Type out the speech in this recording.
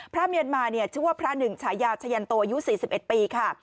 พระเมียนมาเนี่ยชื่อว่าพระหนึ่งฉายาฉายันโตอายุสี่สิบเอ็ดปีค่ะ